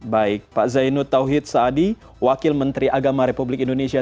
baik pak zainud tauhid saadi wakil menteri agama republik indonesia